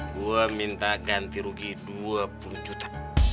gue minta ganti rugi dua puluh juta